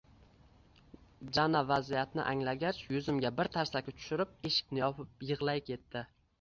Jana vaziyatni anglagach, yuzimga bir tarsaki tushirib, eshikni yopib yig‘lay ketdi